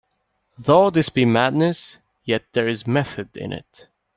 Though this be madness, yet there is method in it